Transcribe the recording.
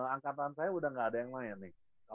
angkatan saya udah gak ada yang lain nih